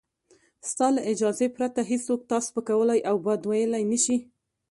ستا له اجازې پرته هېڅوک تا سپکولای او بد ویلای نشي.